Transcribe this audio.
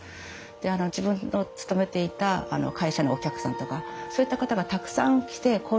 で自分の勤めていた会社のお客さんとかそういった方がたくさん来て交流されてた。